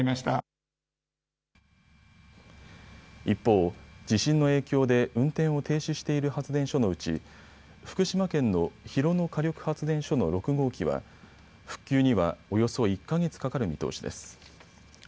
一方、地震の影響で運転を停止している発電所のうち福島県の広野火力発電所の６号機は復旧には、およそ１か月かかる見通しです。